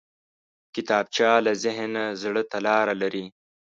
کتابچه له ذهن نه زړه ته لاره لري